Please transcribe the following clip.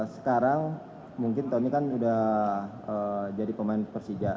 sekarang mungkin tommy kan udah jadi pemain persija